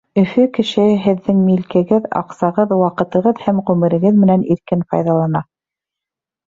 Өфө кешеһе һеҙҙең милкегеҙ, аҡсағыҙ, ваҡытығыҙ һәм ғүмерегеҙ менән иркен файҙалана.